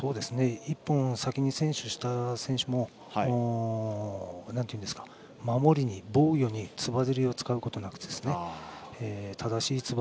１本を先に先取した選手も守りに、防御につばぜり合いを使うことなく正しいつば